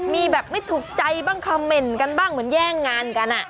มีแบบไม่ถูกใจบ้างคำเมนต์กันบ้างเหมือนแย่งงานกัน